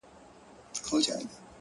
زه هم دعاوي هر ماښام كومه-